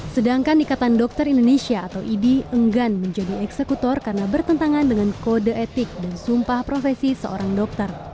sedangkan ikatan dokter indonesia atau idi enggan menjadi eksekutor karena bertentangan dengan kode etik dan sumpah profesi seorang dokter